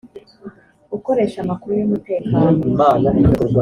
gukoresha amakuru y’umutekano